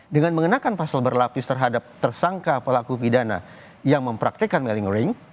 dengan mengenakan pasal berlapis terhadap tersangka pelaku pidana yang mempraktekan melingoring